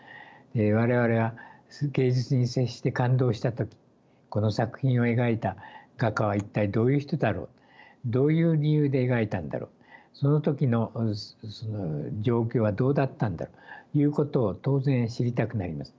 我々は芸術に接して感動した時この作品を描いた画家は一体どういう人だろうどういう理由で描いたんだろうその時の状況はどうだったんだろうということを当然知りたくなります。